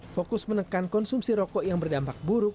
fokus menekan konsumsi rokok yang berdampak buruk